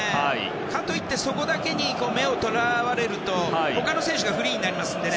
かといって、そこだけに目を捕らわれると他の選手がフリーになりますのでね。